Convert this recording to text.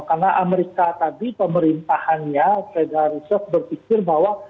karena amerika tadi pemerintahannya fedarusof berpikir bahwa